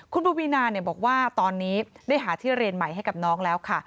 คุณปวีนาบอกว่าตอนนี้ได้หาที่เรียนใหม่ให้กับน้องแล้วค่ะ